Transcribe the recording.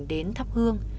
tình đã đến thắp hương